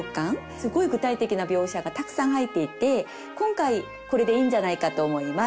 すごい具体的な描写がたくさん入っていて今回これでいいんじゃないかと思います。